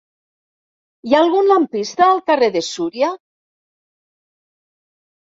Hi ha algun lampista al carrer de Súria?